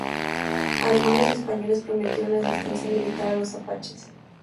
Además los españoles prometieron asistencia militar a los apaches.